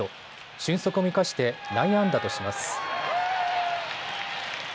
俊足を生かして内野安打とします。